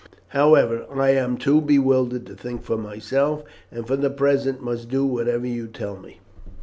"However, I am too bewildered to think for myself, and for the present must do whatever you tell me."